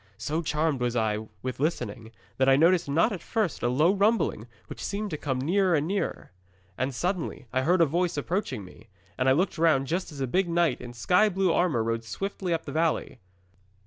So charmed was I with listening, that I noticed not at first a low rumbling which seemed to come nearer and nearer. 'And suddenly I heard a voice approaching me, and I looked round just as a big knight in sky blue armour rode swiftly up the valley.